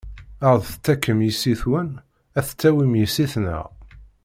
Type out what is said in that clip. Ad ɣ-d-tettakem yessi-twen, ad tettawin yessi-tneɣ.